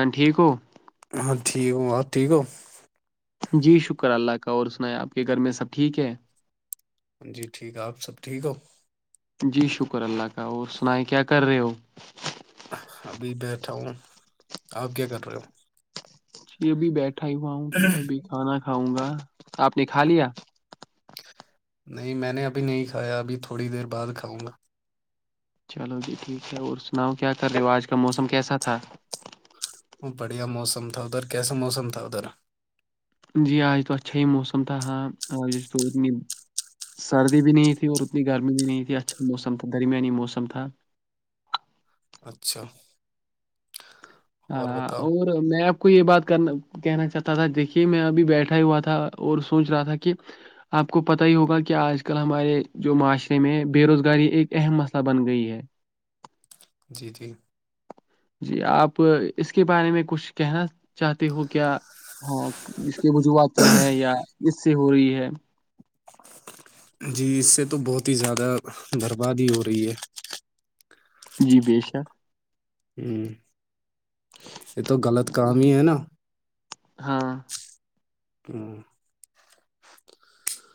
ہاں ٹھیک ہو ہاں ٹھیک ہو ب ٹھیک ہو جی شکر اللہ کا اور سنا ہے آپ کے گھر میں سب ٹھیک ہے جی ٹھیک آپ سب ٹھیک ہو جی شکر اللہ کا اور سنائیں کیا کر رہے ہو ابھی بیٹھا ہوں آپ کیا کر رہے ہو ج ابھی بیٹھا ہی ہوا ہوں ہو کہ ابھی کھانا کھاؤں گا آپ نے کھا لیا نہیں میں نے ابھی نہیں کھایا ابھی تھوڑی دیر بعد کھاؤں گا چلو جی ٹھیک ہے اور سناؤ کیا کر رواج کا موسم کیسا تھا وہ بڑھیا موسم تھا ادھر کیسا موسم تھا ادھر جی آج توت چاہ موسم تھا ہاں آج تو ن سردی بھی نہیں تھی اور اتنی گرمی بھی نہیں تھی اچھا موسم تھا درمیانی موسم تھا اچھا اور ہاں بتاؤ اور میں آپ کو یہ بات کرنا کہنا چاہتا تھا دیکھیے میں ابھی بیٹھا ہوا تھا اور سوچ رہا تھا کہ آپ کو پتہ ہی ہوگا کہ آج کل ہمارے جو معاشرے میں بے روزگاری ایک اہم مسئلہ بن گئی ہے جی جی جی آپ اس کے بارے میں کچھ کہنا چاہتے ہو کیا ہاں اس کے وجوہات کیا ہے یا اس سے ہو رہی ہے جی اس سے تو بہت ہی زیادہ برباد ہی ہو رہی ہے جی بے شک ہوں یہ تو غلط کام ہی ہے نا ہاں ہ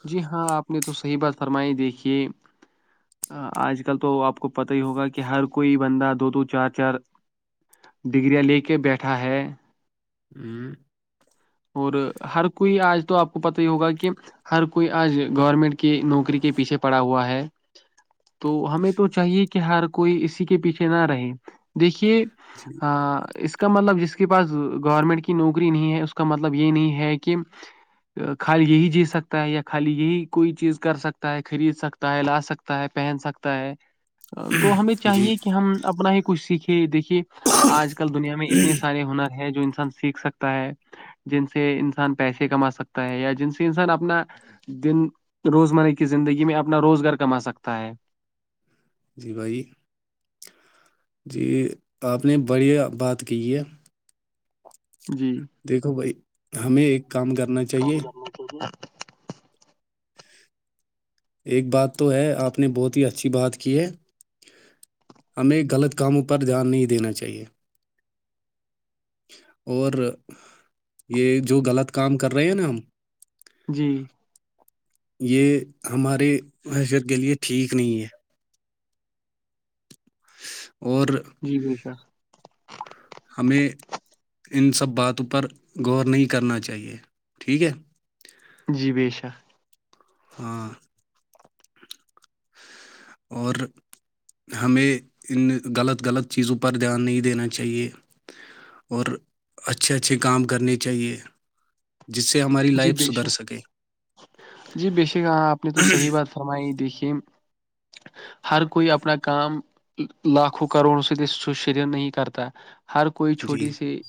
جی ہاں آپ نے تو صحیح بات فرمائی دیکھیے آج کل تو آپ کو پت ہی ہوگا کہ ہر کوئی بندہ دو دو چار چار ڈگریاں لے کے بیٹھا ہے ہوں اور ہر کوئی آج تو آپ کو پت ہی ہوگا کہ ہر کوئی آج گورنمنٹ کی نوکری کے پیچھے پڑا ہوا ہے تو ہمیں تو چاہیے کہ ہر کوئی اسی کے پیچھے نہ رہے دیکھیے جی آ، اس کا مطلب جس کے پاس گورنمنٹ کی نوکری نہیں ہے اس کا مطلب یہ نہیں ہے کہ خالی یہی جی سکتا ہے یا خالی یہی کوئی چیز کر سکتا ہے خرید سکتا ہے لا سکتا تا ہے پہن سکتا ہے تو ہمیں جی چاہیے کہ ہم اپنا ہی کچھ سیکھے دیکھیے آج کل دنیا میں اتنے سارے ہنر ہیں جو انسان سیکھ سکتا ہے جن سے انسان پیسے کما سکتا ہے یا جن سے انسان اپنا دن روزمرہ کی زندگی میں اپنا روزگار کما سکتا ہے جی بھائی جی آپ نے بڑی بات کی ہے جی دیکھو بھائی ہمیں ایک کام کرنا چاہیے ب ایک بات تو ہے آپ نے بہت ہی اچھی بات کی ہے ہمیں غلط کاموں پر دھیان نہیں دینا چاہیے اور یہ جو غلط کام کر رہے ہیں نا ہم جی یہ ہماری حیثیت کے لیے ٹھیک نہیں ہے اور جی بھائیشا ہمیں ان سب باتوں پر غور نہیں کرنا چاہیے ٹھیک ہے جی بے شک ہاں اور ہمیں ان غلط غلط چیزوں پر دھیان نہیں دینا چاہیے اور اچھے اچھے کام کرنے چاہیے جس سے ہماری جی لائف بے سدھر شک سکے دیکھیں ہر کوئی اپنا کام لاکھوں کروڑوں سے نہیں کرتا ہر کوئی جی چھوٹی سی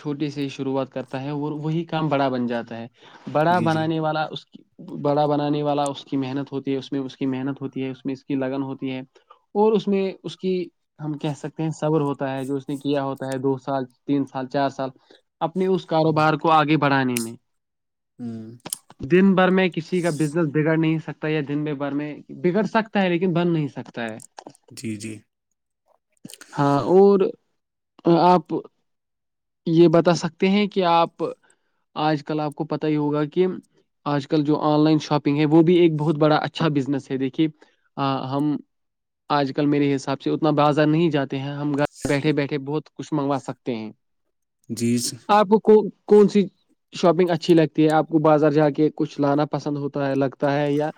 چھوٹی سی شروعات کرتا ہے اور وہی کام بڑا بن جاتا ہے بڑا جی جی بنانے والا اس بڑا بنانے والا اس کی محنت ہوتی ہے اس میں اس کی محنت ہوتی ہے اس میں اس کی لگن ہوتی ہے اور اس میں اس کی ہم کہہ سکتے ہیں صبر ہوتا ہے جو اس نے کیا ہوتا ہے دو سال تین سال چار سال اپنے اس کاروبار کو اگے بڑھانے میں ہاں دن بھر میں کسی کا بزنس بگڑ نہیں سکتا یا دن میں بگڑ سکتا ہے لیکن بن نہیں سکتا ہے جی جی ہاں اور اپ یہ بتا سکتے ہیں کہ اپ اج کل اپ کو پتہ ہی ہوگا کہ اج کل جو ان لائن شاپنگ ہے وہ بھی ایک بہت بڑا اچھا بزنس ہے دیکھیے ہم اج کل میرے حساب سے اتنا بازار نہیں جاتے ہیں ہم بیٹھے بیٹھے بہت خوش منگوا سکتے ہیں جی اپ کو کون سی شاپنگ اچھی لگتی ہے اپ کو بازار جا کے کچھ لانا پسند ہوتا ہے لگتا ہے یا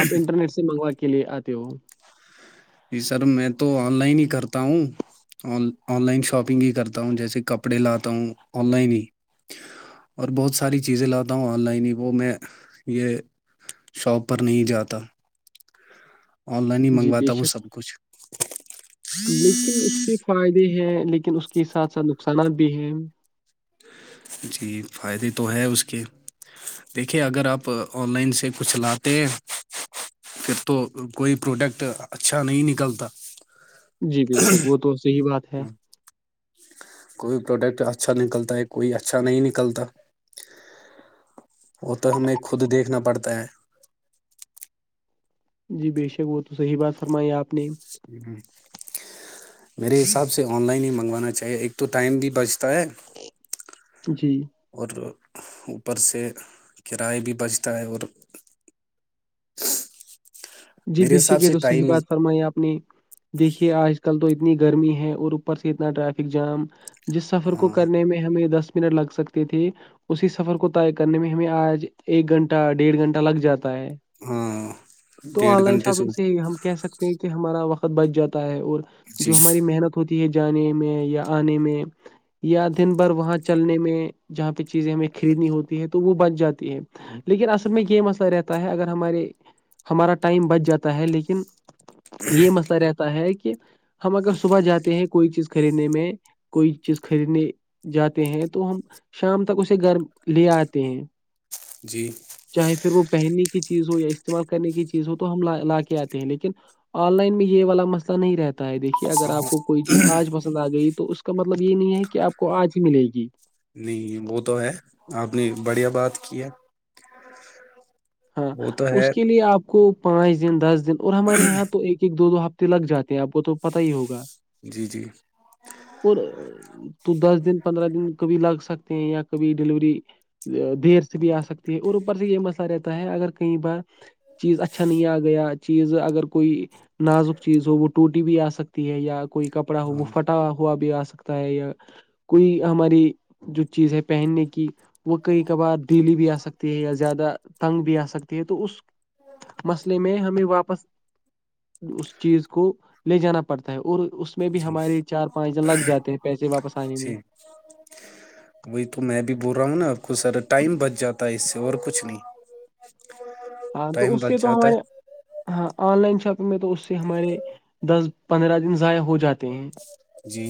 اپ انٹرنیٹ سے منگوانے کے لیے اتے ہو جی سر میں تو ان لائن ہی کرتا ہوں ان لائن شاپنگ ہی کرتا ہوں جیسے کپڑے لاتا ہوں ان لائن ہی اور بہت ساری چیزیں لاتا ہوں ان لائن وہ میں یہ شاپ پر نہیں جاتا ان لائن ہی جی بے منگواتا وہ شک سب کچھ لیکن اس کے فائدے ہیں لیکن اس کے ساتھ ساتھ نقصانات بھی ہیں جی فائدے تو ہے اس کے دیکھیں اگر اپ ان لائن سے کچھ لاتے ہیں کہ تو کوئی پروڈکٹ اچھا نہیں نکلتا جی بے شک وہ تو اس کی بات ہے کوئی پروڈکٹ اچھا نکلتا ہے کوئی اچھا نہیں نکلتا وہ تو ہم نے خود دیکھنا پڑتا ہے جی بے شک وہ تو صحیح بات فرمائی اپ نے صحیح ہے میرے حساب سے ان لائن ہی منگوانا چاہیے ایک تو ٹائم بھی بچتا ہے جی اور اوپر سے کرائے بھی بچتا ہے اور جی میرے بیشک حساب یہ سے تو اس نے یہ ٹائم ہی- بات فرمایا اپنی دیکھیے اج کل تو اتنی گرمی ہے اور اوپر سے اتنا ٹریفک جام جس سفر کو ہاں کرنے میں ہمیں دس منٹ لگ سکتی تھی اسی سفر کو طے کرنے میں اج ایک گھنٹہ ڈیڑھ گھنٹہ لگ جاتا ہے ہاں تو ان ڈیڑھ لائن گھنٹے شاپنگ سے اوپر- ہم کہہ سکتے ہیں کہ ہمارا وقت بچ جاتا ہے اور جو جی ہماری محنت ہوتی ہے جانے میں یا انے میں یا دن بھر وہاں چلنے میں جہاں پہ چیزیں ہمیں خریدی ہوتی ہیں تو وہ بچ جاتی ہے لیکن اصل میں یہ مسئلہ رہتا ہے اگر ہمارے ہمارا ٹائم بچ جاتا ہے لیکن یہ مسئلہ رہتا ہے کہ ہم اگر صبح جاتے ہیں کوئی چیز خریدنے میں کوئی چیز خریدنے جاتے ہیں تو ہم شام تک اسے گھر لے آتے ہیں جی چاہے پھر وہ پہننے کی چیز ہو یا استعمال کرنے کی چیز ہو تو ہم لا کے آتے ہیں لیکن آن لائن میں یہ والا مسئلہ نہیں رہتا ہے دیکھیے اگر آپ ہاں کو کوئی چیز آج پسند آ گئی تو اس کا مطلب یہ نہیں ہے کہ آپ کو آج ہی ملے گی جی وہ تو ہے آپ نے بڑھیا بات کی ہے ہاں وہ تو اس ہے کے لیے آپ کو پانچ دن دس دن اور ہمارے یہاں تو ایک ایک دو دو ہفتے لگ جاتے ہیں آپ کو تو پتا ہی ہوگا جی جی اور تو دس دن پندرہ دن کبھی لگ سکتے ہیں یا کبھی ڈلیوری دیر سے بھی آ سکتی ہے اور اوپر سے یہ مسئلہ رہتا ہے اگر کہیں بار چیز اچھا نہیں آ گیا چیز اگر کوئی نازک چیز ہو وہ ٹوٹی بھی آ سکتی ہے یا کوئی کپڑا ہو ہاں وہ پھٹ اٹا ہوا بھی آ سکتا ہے یا کوئی ہماری جو چیز ہے پہننے کی وہ کئی کبار دیلی بھی آ سکتی ہے یا زیادہ تنگ بھی آ سکتی ہے تو اس مسئلے میں ہمیں واپس اس چیز کو لے جانا پڑتا ہے اور اس میں بھی جی ہمارے چار پانچ دن لگ جاتے ہیں پیسے واپس آنے میں جی وہی تو میں بھی بول رہا ہوں نا آپ کو سر ٹائم بچ جاتا ہے اس سے اور کچھ نہیں ہاں تو ٹائم اس سے بچ تو جاتا ہمارے ہے ہاں آن لائن شاپنگ میں تو اس سے ہمارے دس پندرہ دن ضائع ہو جاتے ہیں جی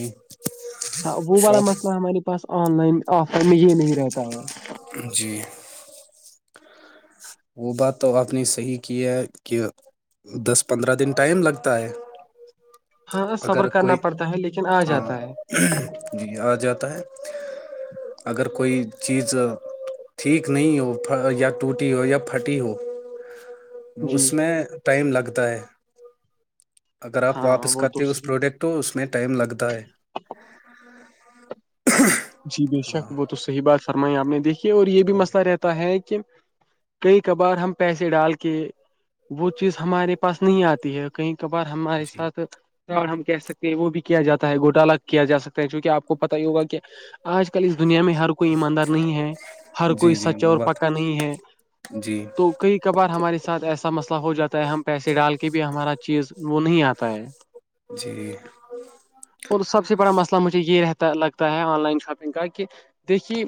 ہاں وہ والا شاپ مسئلہ ہماری بس آن لائن آف لائن میں یہ نہیں رہتا ہے جی وہ بات تو آپ نے صحیح کی ہے کہ دس پندرہ دن ٹائم لگتا ہے ہاں صفر اگر کرنا کوئی پڑتا ہے لیکن آ ہاں جاتا ہے جی آ جاتا ہے اگر کوئی چیز ٹھیک نہیں ہو یا ٹوٹی ہو یا پھٹی ہو جی اس میں ٹائم لگتا ہے اگر آپ ہاں واپس وہ تو کرتے ہو اس صحیح پروڈکٹ تو اس میں ٹائم لگتا ہے ہاں ہ جی بے شک وہ تو صحیح بات فرمائی آپ نے دیکھی اور یہ بھی مسئلہ رہتا ہے کہ کئی کبار ہم پیسے ڈال کے وہ چیز ہمارے پاس نہیں آتی ہے کہیں کبار ہمارے جی ساتھ اور ہم کہہ سکتے ہیں وہ بھی کیا جاتا ہے گوٹالا کیا ج سکتا ہے جوونکہ آپ کو پت ہی ہوگا کہ آج کل اس دنیا میں ہر کوئی ایماندار نہیں ہے ہر کوئی جی جی سچا اور وہ بات پکا نہیں ہے جی تو کئی کبھار ہمارے ساتھ ایسا مسئلہ ہو جاتا ہے ہم پیسے ڈال کے بھی ہمارا چیز وہ نہیں آتا ہے جی اور سب سے بڑا مسئلہ مجھے یہ رہتا لگتا ہے آن لائن شاپنگ کا کہ دیکھیے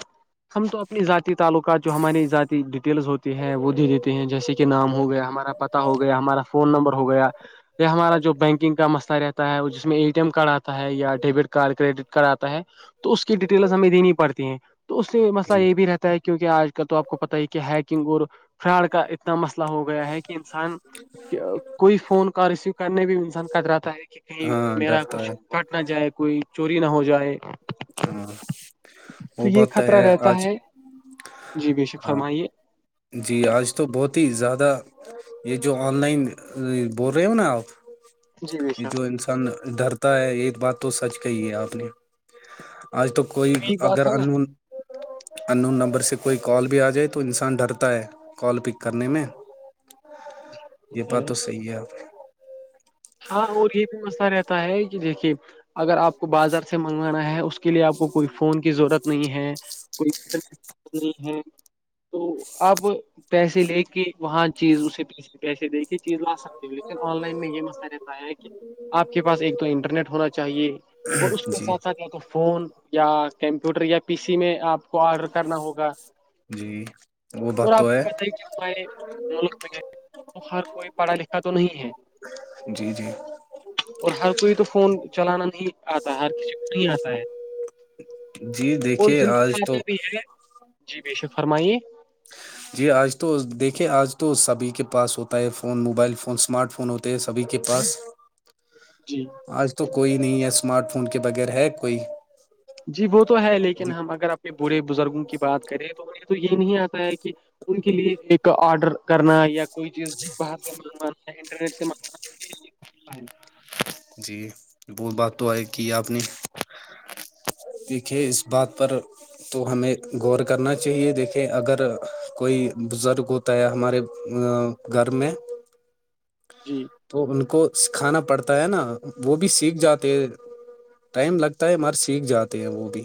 ہم تو اپنی ذاتی تعلقات جو ہماری ذاتی ڈیٹیلز ہوتی ہیں وہ دے دیتے ہیں جیسے کہ نام ہو گیا ہمارا پت ہو گیا ہمارا فون نمبر ہو گیا یہ ہمارا جو بینکنگ کا مسئلہ رہتا ہے وہ جس میں اے ٹی ایم کارڈ آتا ہے یا ڈیبٹ کارڈ کریڈٹ کارڈ آتا ہے تو اس کی ڈیٹیلز ہمیں دینی پڑتی ہیں تو اس سے مسئلہ جی یہ بھی رہتا ہے کہ کیونکہ آج کل تو آپ کو پتا ہی کہ ہیکنگ اور فراڈ کا اتنا مسئلہ ہو گیا ہے کہ انسان کوئی فون کال ریسیو کرنے میں انسان کدراتا ہے کہ کہیں ہاں میرا ڈرتا کچھ ہے کٹ نہ جائے کوئی چوری نہ ہو جائے ہاں وہ یہ بات تو خطرہ ہے رہتا آج جی بے شک ہاں فرمائیے جی آج تو بہت ہی زیادہ یہ جو آن لائن بول رہے ہو نا آپ جی بے یہ شک جو انسان ڈرتا ہے ایک بات تو سچ کہی ہے آپ نے آج تو کوئی یہی بات اگر ہے انون انون نمبر سے کوئی کال بھی آ جائے تو انسان ڈرتا ہے کال پک کرنے میں یہ ب نا تو صحیح ہے آپ ہاں اور یہ بھی مسئلہ رہتا ہے کہ دیکھیے اگر آپ کو بازار سے منگوانا ہے اس کے لیے آپ کو کوئی فون کی ضرورت نہیں ہے کوئی نہیں ہے تو آپ پیسے لے کے وہاں چیز اسےی پیسے دے کے چیز وہاں سک لیکن آن لائن میں یہ مسلہ رہتا ہے کہ آپ کے پاس ایک تو انٹرنیٹ ہونا چاہیے اور اس کے جی ساتھ ساتھ یا تو فون یا کمپیوٹر یا پی سی میں آپ کو آرڈر کرنا ہوگا جی وہ اور بات آپ تو کو پت ہے کہ ہمارے ملک میں تو ہر کوئی پڑھا لکھا تو نہیں ہے جی جی اور ہر کوئی تو فون چلانا نہیں آتا ہر کسی کو نہیں آتا ہے جی اور دیکھیے جن کو آج خاطہ تو بھی ہے جی بے شک فرمائیے جی آج تو دیکھے آج تو سبھی کے پاس ہوتا ہے phone mobile phone smart phone ہو سبھی کے پاس جی آج تو کوئی نہیں ہے اسمارٹ فون کے بغیر ہے کوئی جی وہ تو ہے لیکن جی ہم اگر اپنے بوڑے بزرگوں کی بات کریں تو انہیں تو یہ نہیں آتا ہے کہ ان کے لیے ایک آڈر کرنا یا کوئی چیز بہر سے انٹرنیٹ سے جی ب بات تو آئی کی ہے آپ نے دیکھیے اس بات پر تو ہمیں غور کرنا چاہیے دیکھے اگر کوئی بزرگ ہو ہوتا ہے ہمارے گھر میں جی تو ان کو سکھانا پڑتا ہے نا وہ بھی سیکھ جاتے ٹائم لگتا ہے مر سیکھ جاتے ہیں وہ بھی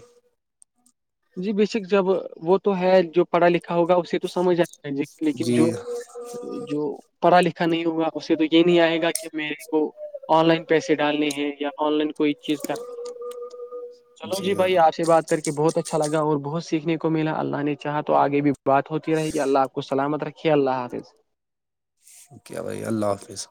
جی بیےشک جب وہ تو ہے جو پڑھا لکھا ہوگا اسے تو سمجھ آ لیکن جی جو جو پڑھا لکھا نہیں ہوگا اس سے تو یہ نہیں آئے گا کہ میرے کو آن لائن پیسے ڈالنے ہیں یا آن لائن کوئی چیز کرنا ہے چلو جی بھائی آشر بات کر کے بہت اچھا اچھا لگا اور بہت سیکھنے کو ملا اللہ نے چاہا تو آگے بھی بات ہوتی رہی اللہ آپ کو سلامت رکھیے اللہ حافظ شکہ بھائی اللہ حافظ